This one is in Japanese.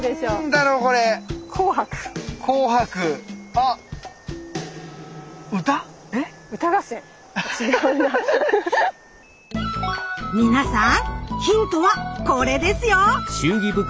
あっ皆さんヒントはこれですよ。